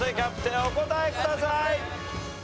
お答えください。